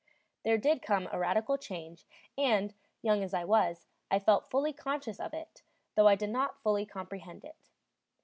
There did come a radical change, and, young as I was, I felt fully conscious of it, though I did not fully comprehend it.